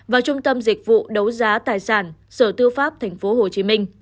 và trung tâm dịch vụ đấu giá tài sản sở tư pháp tp hcm